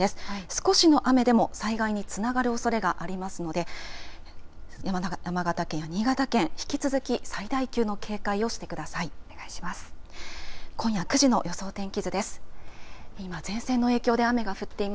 少しの雨でも災害につながるおそれがありますので山形県や新潟県引き続き最大級の警戒をしてください。